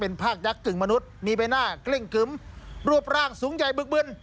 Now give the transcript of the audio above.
ภาคยักษ์กึ่งมนุษย์มีใบหน้าเกล้งกึ้มรูปร่างสูงใหญ่บึกบึน